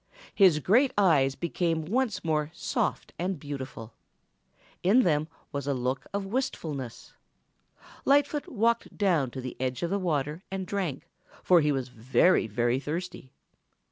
His great eyes became once more soft and beautiful. In them was a look of wistfulness. Lightfoot walked down to the edge of the water and drank, for he was very, very thirsty.